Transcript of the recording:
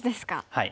はい。